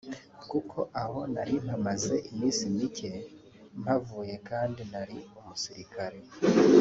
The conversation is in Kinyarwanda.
kuko aho nari mpamaze iminsi mike mpavuye kandi nari umusirikare